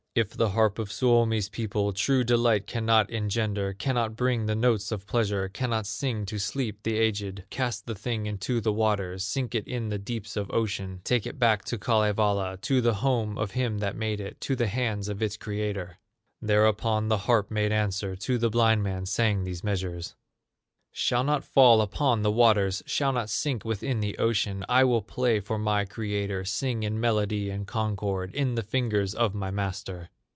If the harp of Suomi's people True delight cannot engender, Cannot bring the notes of pleasure, Cannot sing to sleep the aged, Cast the thing upon the waters, Sink it in the deeps of ocean, Take it back to Kalevala, To the home of him that made it, To the hands of its creator." Thereupon the harp made answer, To the blind man sang these measures: "Shall not fall upon the waters, Shall not sink within the ocean; I will play for my creator, Sing in melody and concord In the fingers of my master."